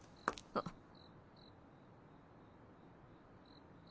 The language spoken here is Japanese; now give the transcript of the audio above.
あっ。